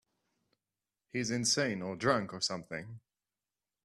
He's insane or drunk or something.